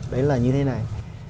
đấy là như thế này